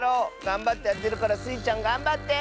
がんばってあてるからスイちゃんがんばって！